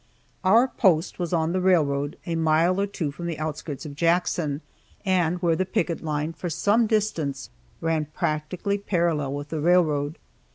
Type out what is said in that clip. Our post was on the railroad a mile or two from the outskirts of Jackson, and where the picket line for some distance ran practically parallel with the railroad.